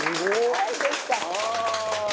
はいできた。